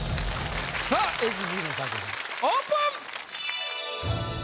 さぁＨＧの作品オープン！